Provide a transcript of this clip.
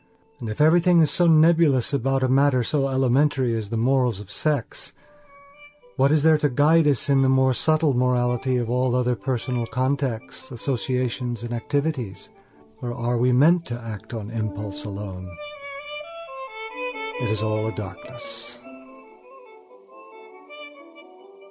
And if everything is so nebulous about a matter so elementary as the morals of sex, what is there to guide us in the more subtle morality of all other personal contacts, associations, and activities? Or are we meant to act on impulse alone? It is all a darkness.